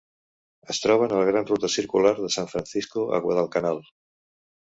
Es troben a la gran ruta circular de San Francisco a Guadalcanal.